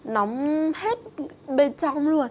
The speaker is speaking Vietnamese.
nóng hết bên trong luôn